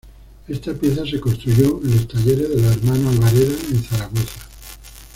Esta pieza se construyó en los talleres de los hermanos Albareda en Zaragoza.